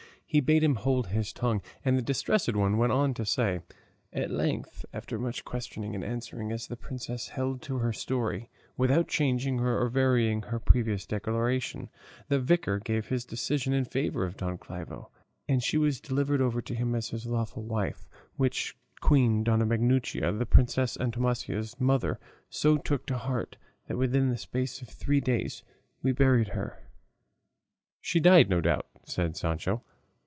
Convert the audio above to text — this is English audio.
He bade him hold his tongue, and the Distressed One went on to say: "At length, after much questioning and answering, as the princess held to her story, without changing or varying her previous declaration, the Vicar gave his decision in favour of Don Clavijo, and she was delivered over to him as his lawful wife; which the Queen Dona Maguncia, the Princess Antonomasia's mother, so took to heart, that within the space of three days we buried her." "She died, no doubt," said Sancho.